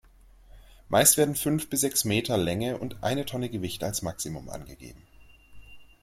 Meist werden fünf bis sechs Meter Länge und eine Tonne Gewicht als Maximum angegeben.